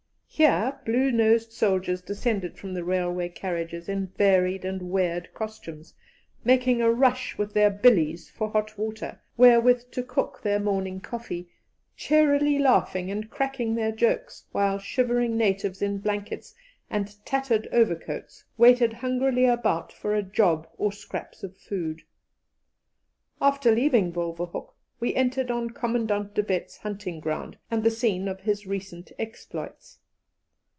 Here blue nosed soldiers descended from the railway carriages in varied and weird costumes, making a rush with their billies for hot water, wherewith to cook their morning coffee, cheerily laughing and cracking their jokes, while shivering natives in blankets and tattered overcoats waited hungrily about for a job or scraps of food. After leaving Wolvehoek, we entered on Commandant De Wet's hunting ground and the scene of his recent exploits.